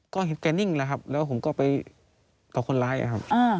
ก็เห็นแกนิ่งแล้วครับแล้วผมก็ไปต่อคนร้ายครับ